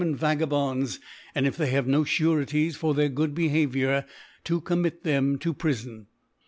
e Vagabonds; and, if they have no Sureties for their good Bwhaviour, to commit them to Prifon.